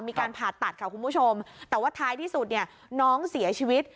มีการผ่าตัดค่ะคุณผู้ชมแต่ว่าท้ายที่สุดเนี่ยน้องเสียชีวิต